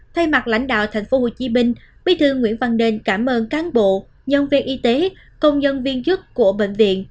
thay mặt lãnh đạo tp hcm bí thư nguyễn văn nên cảm ơn cán bộ nhân viên y tế công nhân viên chức của bệnh viện